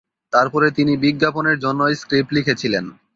তারপরে তিনি বিজ্ঞাপনের জন্য স্ক্রিপ্ট লিখেছিলেন।